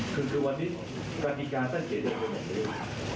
คือวันนี้กฎิกาสร้างเกณฑ์เป็นแบบนี้